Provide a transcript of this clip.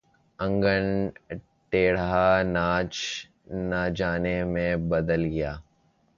انگن ٹیڑھا ناچ نہ جانے میں بدل گیا